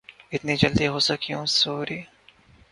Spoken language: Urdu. اتنی جلدی غصہ کیوں سوری